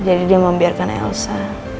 jadi dia membiarkan elsa